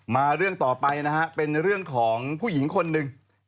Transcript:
เรื่องต่อไปนะฮะเป็นเรื่องของผู้หญิงคนหนึ่ง